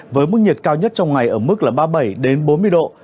với mức nhiệt cao nhất trong ngày ở mức là ba mươi bảy bốn mươi độ